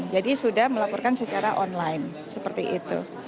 jadi sudah melaporkan secara online seperti itu